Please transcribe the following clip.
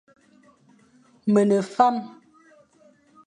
Me ne fame.